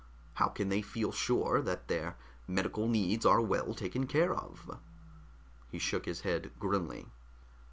How can they feel sure that their medical needs are well taken care of?" He shook his head grimly.